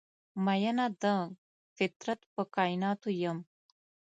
میینه د فطرت په کائیناتو یم